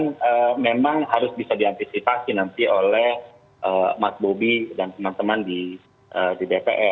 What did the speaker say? yang memang harus bisa diantisipasi nanti oleh mas bobi dan teman teman di bpn